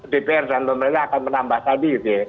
dpr dan pemerintah akan menambah tadi